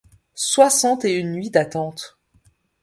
Soixante et une nuits d’attente !